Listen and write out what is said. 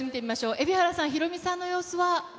蛯原さん、ヒロミさんの様子は。